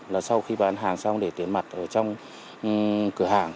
là sau khi bán hàng xong để tiền mặt ở trong cửa hàng